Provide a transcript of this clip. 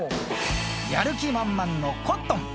やる気満々のコットン。